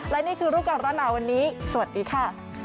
และนี่คือรูปการณ์หนาวันนี้สวัสดีค่ะ